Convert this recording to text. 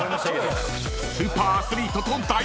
［スーパーアスリートと大熱戦！］